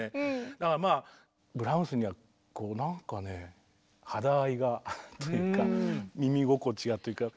だからまあブラームスにはこうなんかね肌合いがというか耳心地がというか。